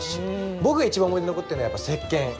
僕が一番思い出に残ってるのはやっぱ石けん！